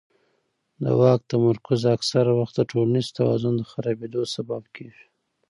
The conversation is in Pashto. د واک تمرکز اکثره وخت د ټولنیز توازن د خرابېدو سبب کېږي